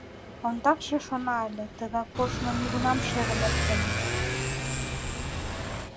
Ондакше шона ыле: тыгай коштмо нигунам шерым ок теме.